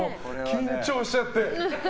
緊張しちゃって。